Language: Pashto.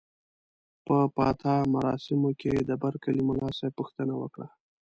په پاتا مراسمو کې د برکلي ملاصاحب پوښتنه وکړه.